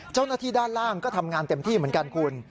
เจ้าหน้าที่ด้านล่างก็ทำงานเต็มที่เหมือนกันคุณ